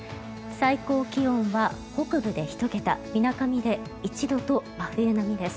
最高気温は北部で１桁みなかみで１度と真冬並みです。